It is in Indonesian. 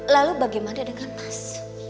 lalu bagaimana dengan mas